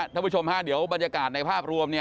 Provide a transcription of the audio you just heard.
ท่านผู้ชมฮะเดี๋ยวบรรยากาศในภาพรวม